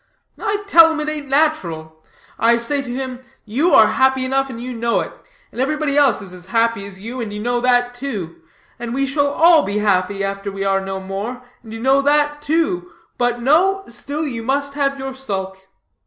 "I tell him it ain't natural. I say to him, you are happy enough, and you know it; and everybody else is as happy as you, and you know that, too; and we shall all be happy after we are no more, and you know that, too; but no, still you must have your sulk."